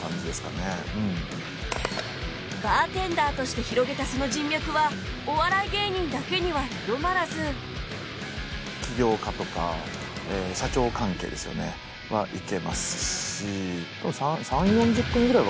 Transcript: バーテンダーとして広げたその人脈はお笑い芸人だけにはとどまらずはいけますし。